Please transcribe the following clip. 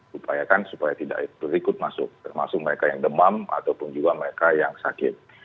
diupayakan supaya tidak ikut masuk termasuk mereka yang demam ataupun juga mereka yang sakit